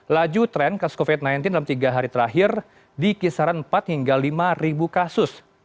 laju tren kasus covid sembilan belas dalam tiga hari terakhir di kisaran empat hingga lima kasus